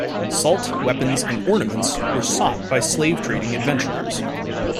Salt, weapons, and ornaments were sought by slave trading adventurers.